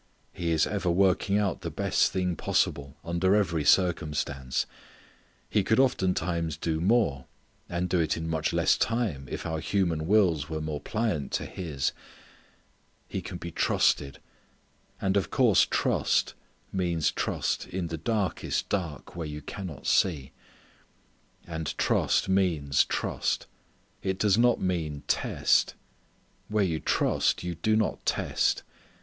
He is ever working out the best thing possible under every circumstance. He could oftentimes do more, and do it in much less time if our human wills were more pliant to His. He can be trusted. And of course trust means trust in the darkest dark where you cannot see. And trust means trust. It does not mean test. Where you trust you do not test.